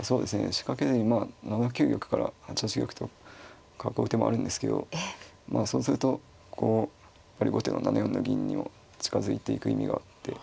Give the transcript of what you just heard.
仕掛けないでまあ７九玉から８八玉と囲う手もあるんですけどそうするとこうやっぱり後手の７四の銀にも近づいていく意味があって。